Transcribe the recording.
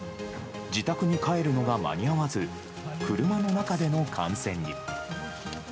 自宅に帰るのが間に合わず、車の中での観戦に。